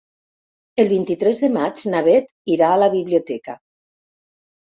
El vint-i-tres de maig na Bet irà a la biblioteca.